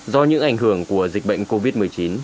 do những ảnh hưởng của dịch bệnh covid một mươi chín